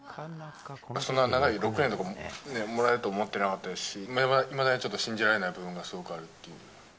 そんな長い、６年とかもらえると思ってなかったですし、いまだにちょっと信じられない部分がすごくあるっていう。